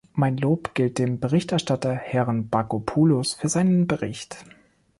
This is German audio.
Mein Lob gilt dem Berichterstatter, Herrn Bakopoulos, für seinen Bericht.